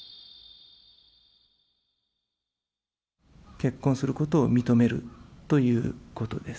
結婚することを認めるということです。